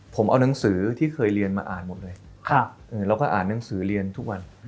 ผมเอานังสือที่เคยเรียนมาอ่านหมดเลยเราก็อ่านหนังสือเรียนทุกวัน